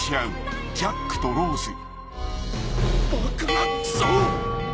バカなクソ！